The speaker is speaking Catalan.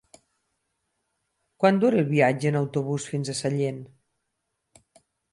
Quant dura el viatge en autobús fins a Sellent?